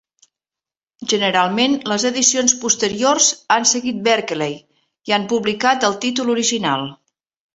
Generalment les edicions posteriors han seguit Berkeley i han publicat el títol original.